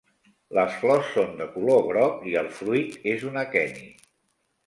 Les flors són de color groc i el fruit és un aqueni.